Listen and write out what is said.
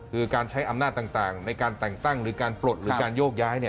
คือการใช้อำนาจต่างในการแต่งตั้งหรือการปลดหรือการโยกย้าย